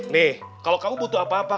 nih kalau kamu butuh apa apa